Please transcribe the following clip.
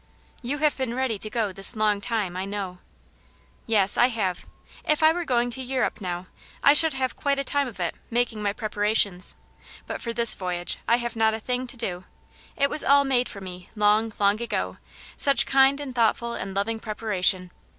"You have been ready to go this long time, I know." " Yes, I have. If I were going to Europe now, I should have quite a time of it, making my prepar ations. But for this voyage I have not a thing to do. It was all made for me long, long ago ; such kind and thoughtful and loving preparation